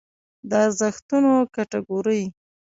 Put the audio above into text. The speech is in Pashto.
د ارزښتونو کټګورۍ